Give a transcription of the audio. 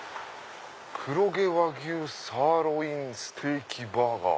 「黒毛和牛サーロインステーキバーガー」。